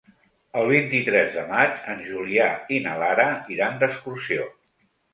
El vint-i-tres de maig en Julià i na Lara iran d'excursió.